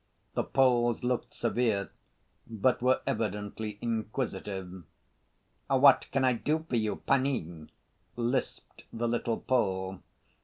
The Poles looked severe but were evidently inquisitive. "What can I do for you, panie?" lisped the little Pole.